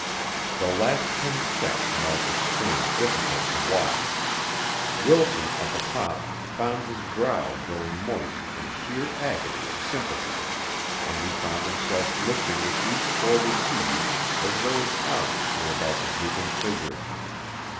The last ten steps marked a strain difficult to watch. Wilson, at the top, found his brow growing moist in sheer agony of sympathy, and he found himself lifting with each forward heave as though his arms were about the drooping figure.